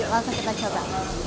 yuk langsung kita coba